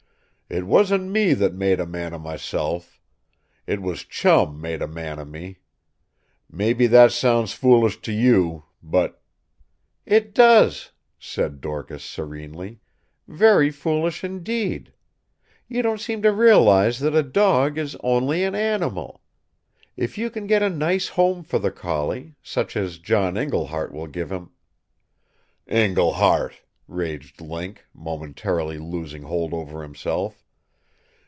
It wasn't me that 'made a man of myself.' It was Chum made a man of me. Maybe that sounds foolish to you. But " "It does," said Dorcas serenely. "Very foolish indeed. You don't seem to realize that a dog is only an animal. If you can get a nice home for the collie such as John Iglehart will give him " "Iglehart!" raged Link, momentarily losing hold over himself.